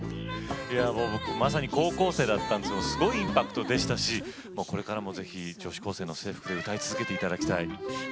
まさに高校生だったんですけど、すごいインパクトでしたしこれからもぜひ女子高生の制服で歌い続けていただきたい。